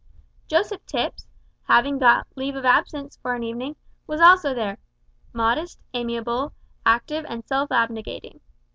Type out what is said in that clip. Joseph Tipps, having got leave of absence for an evening, was also there, modest amiable, active and self abnegating.